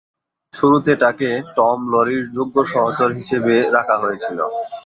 শুরুতে তাকে টম লরি’র যোগ্য সহচর হিসেবে রাখা হয়েছিল।